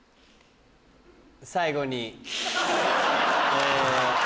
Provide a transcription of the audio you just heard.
最後に。